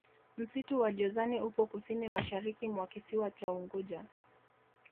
msitu wa jozani upo kusini mashariki mwa kisiwa cha unguja